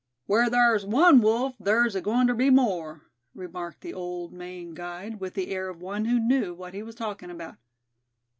"Where thar's one wolf thar's agoin' ter be more," remarked the old Maine guide, with the air of one who knew what he was talking about.